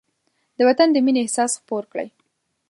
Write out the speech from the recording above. د وطن د مینې احساس خپور کړئ.